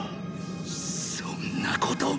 そんなこと！